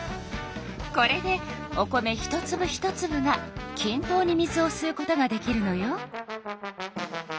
これでお米一つぶ一つぶがきん等に水をすうことができるのよ。